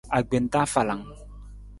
Agbenta afalang.